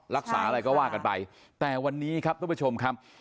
รักษาอะไรก็ว่ากันไปแต่วันนี้ครับทุกผู้ชมครับ